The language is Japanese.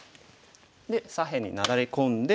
で左辺になだれ込んで。